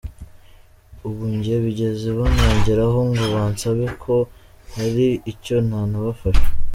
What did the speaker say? Ubu njye bigeze banangeraho ngo bansabe ko hari icyo nanabafasha ?